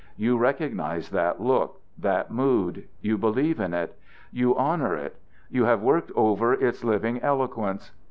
You recognize that look, that mood; you believe in it; you honor it; you have worked over its living eloquence.